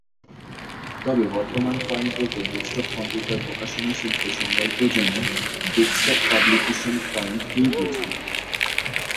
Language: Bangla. তবে বর্তমানে পয়েন্ট বলতে ডেস্কটপ কম্পিউটার প্রকাশনা শিল্পে সংজ্ঞায়িত জন্য "ডেস্কটপ পাবলিশিং পয়েন্ট"-কেই বোঝায়।